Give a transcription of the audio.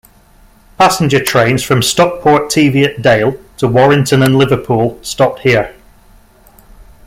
Passenger trains from Stockport Tiviot Dale to Warrington and Liverpool stopped here.